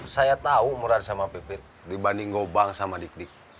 saya tahu murad sama pipir dibanding ngobang sama dikdik